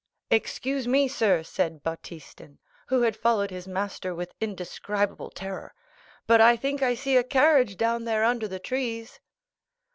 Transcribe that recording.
"Excuse me, sir," said Baptistin, who had followed his master with indescribable terror, "but I think I see a carriage down there under the trees."